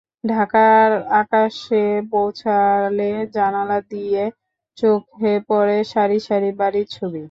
ঢাকার আকাশে পৌঁছালে জানালা দিয়ে চোখে পড়ে সারি সারি বাড়ির ছবি।